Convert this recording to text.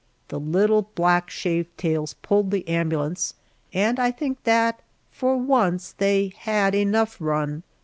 The little black shaved tails pulled the ambulance, and I think that for once they had enough run.